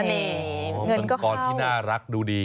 เงินก็เข้ามังกรที่น่ารักดูดี